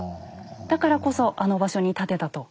だからこそあの場所に建てたと。